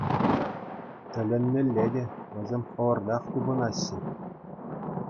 Тӗлӗнмелле те -- вӗсем хӑвӑртах тупӑнаҫҫӗ.